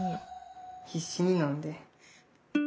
必死に飲んで。